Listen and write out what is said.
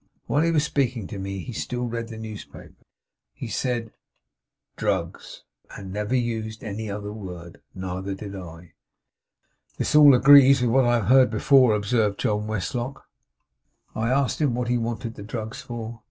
While he was speaking to me he still read the newspaper. He said "Drugs," and never used any other word. Neither did I.' 'This all agrees with what I have heard before,' observed John Westlock. 'I asked him what he wanted the drugs for?